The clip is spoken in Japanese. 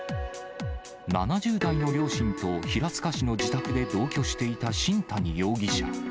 ７０代の両親と平塚市の自宅で同居していた新谷容疑者。